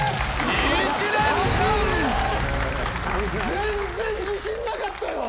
全然自信なかったよ！